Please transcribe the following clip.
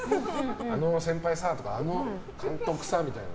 あの先輩さとかあの監督さみたいな。